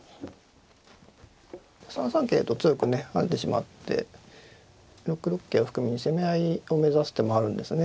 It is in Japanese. ３三桂と強くね跳ねてしまって６六桂を含みに攻め合いを目指す手もあるんですね。